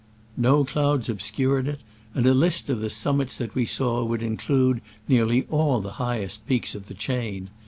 No clouds obscured it, and a list of the summits that we saw would include nearly all the highest peaks of the chain.